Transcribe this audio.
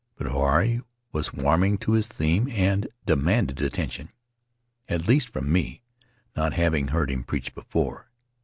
But Huirai was warming to his theme and demanded attention, at least from me, not having heard him preach before.